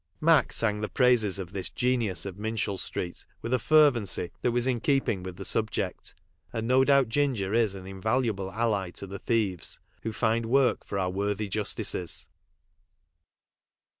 Mac sang the praises of this (xenius of Minshull street with a fervency that was in keeping with the subject, and no doubt Ginger is an invalable ally to the thieves who find work for our worthy justices.